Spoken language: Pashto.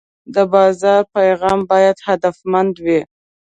د بازار پیغام باید هدفمند وي.